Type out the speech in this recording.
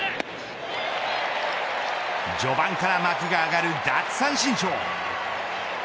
序盤から幕が上がる奪三振ショー。